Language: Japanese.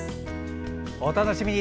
お楽しみに。